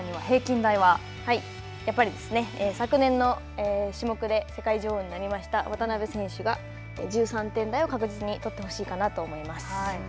やっぱり昨年の種目で世界女王になりました渡部選手が、１３点台を確実に取ってほしいかなと思います。